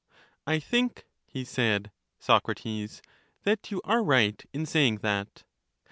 I think, he said, Socrates, that you are right in say ing that.